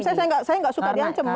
saya enggak suka diancem